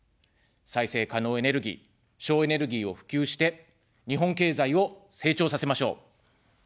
再生可能エネルギー、省エネルギーを普及して、日本経済を成長させましょう。